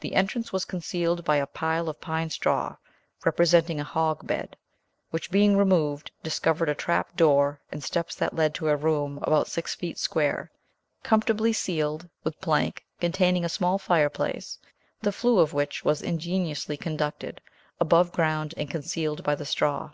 The entrance was concealed by a pile of pine straw, representing a hog bed, which being removed, discovered a trap door and steps that led to a room about six feet square, comfortably ceiled with plank, containing a small fire place, the flue of which was ingeniously conducted above ground and concealed by the straw.